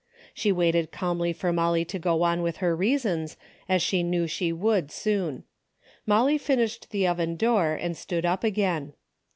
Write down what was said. She waited calmly for Molly to go on with her reasons, as she knew she would soon. Molly finished the oven door and stood up again.